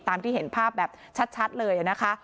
ที่เห็นภาพแบบชัดเลยนะคะ